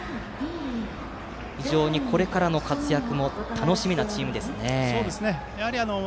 非常にこれからの活躍も楽しみなチームですね。